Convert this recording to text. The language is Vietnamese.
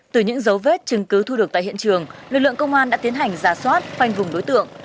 từ những dấu vết chứng cứ thu được tại hiện trường lực lượng công an đã tiến hành giả soát khoanh vùng đối tượng